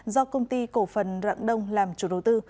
do công ty cổ phần rạng đông làm chủ đầu tư